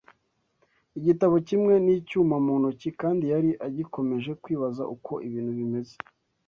igitabo kimwe n'icyuma mu ntoki, kandi yari agikomeje kwibaza uko ibintu bimeze